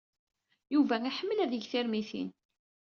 Yuba iḥemmel ad yeg tirmitin.